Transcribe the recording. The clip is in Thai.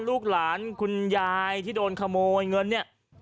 ลูกหลานคุณยายที่โดนขโมยเงินเนี่ย